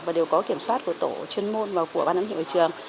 và đều có kiểm soát của tổ chuyên môn và của bán ẩn hiệu trường